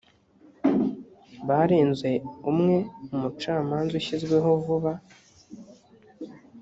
barenze umwe umucamanza ushyizweho vuba